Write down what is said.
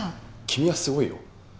君はすごいよ。